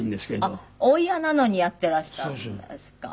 あっお嫌なのにやっていらしたんですか。